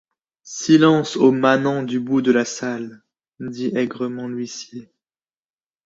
Silence aux manants du bout de la salle ! dit aigrement l’huissier.